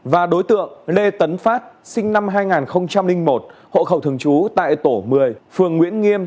và đối tượng lê tấn phát sinh năm hai nghìn một hộ khẩu thường trú tại tổ một mươi phường nguyễn nghiêm